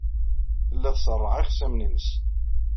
Tella tṣerreɛ ixṣimen-nnes.